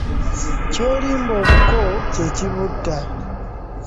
Ky'olimba obuko ,kye kibutta .